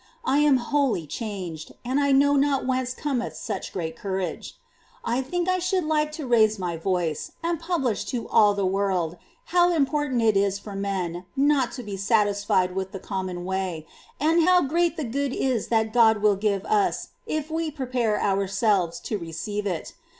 I am wholly changed, and I know not whence cometh such great courage. I think I should like to raise my voice, and publish to all the world how important it is for men not to be satisfied with the common way, and how great the good is that God will give us if we prepare ourselves to receive it.